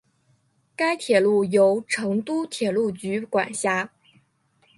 该铁路由成都铁路局管辖。